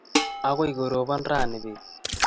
Akoi koropon rani peet